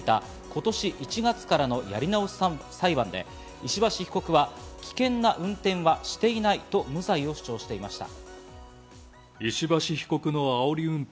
今年１月からのやり直し裁判で、石橋被告は危険な運転はしていないと無罪を主張していました。